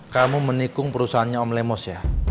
kamu menikung perusahaannya om lemos ya